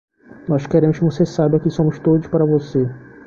Nós queremos que você saiba que somos todos para você.